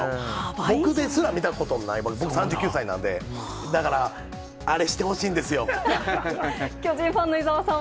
僕ですら見たことない、僕３９歳なんで、だから、アレしてほしい巨人ファンの伊沢さん